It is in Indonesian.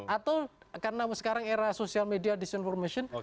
atau karena sekarang era social media disinformation